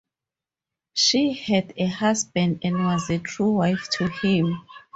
She had a husband and was a true wife to him.